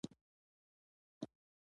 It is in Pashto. توکمیزې خبرې ما ته چټیات او چرندیات ښکارېدل